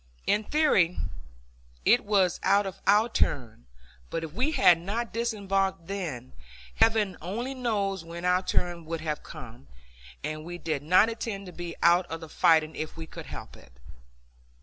In theory it was out of our turn, but if we had not disembarked then, Heaven only knows when our turn would have come, and we did not intend to be out of the fighting if we could help it.